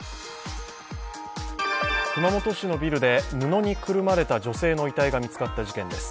熊本市のビルで布にくるまれた女性の遺体が見つかっていた事件です。